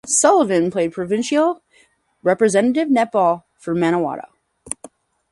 Sullivan played provincial representative netball for Manawatu.